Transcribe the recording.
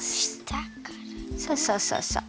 そうそうそうそう。